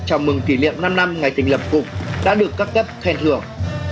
chào mừng kỷ niệm năm năm ngày thành lập cục đã được các cấp khen thưởng